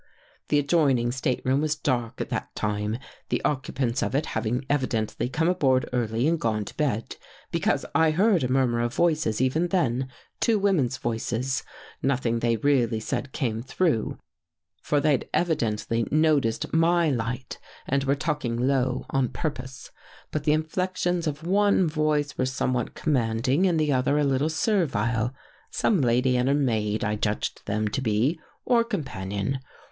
" The adjoining stateroom was dark at that time, the occupants of it having evidently come aboard early and gone to bed. Because I heard a murmur of voices even then — two women's voices. Nothing they really said came through, for they'd 157 THE GHOST GIRL evidently noticed my light and were talking low on purpose. But the inflections of one voice were somewhat commanding and the other a little bit servile. Some lady and her maid, I judged them to be, or companion.